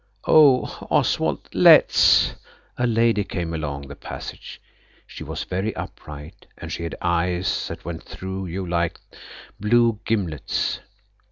Oh, Oswald, let's!" a lady came along the passage. She was very upright, and she had eyes that went through you like blue gimlets.